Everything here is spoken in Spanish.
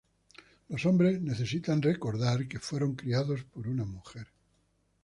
Los hombres necesitan recordar que fueron criados por una mujer.